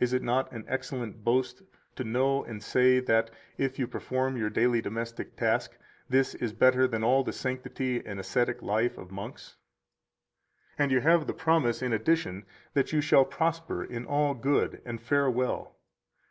Is it not an excellent boast to know and say that, if you perform your daily domestic task, this is better than all the sanctity and ascetic life of monks? 146 And you have the promise, in addition, that you shall prosper in all good and fare well.